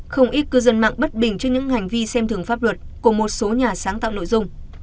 không ít cư dân mạng bất bình cho những hành vi xem thường pháp luật của một số nhà sáng tạo nội dung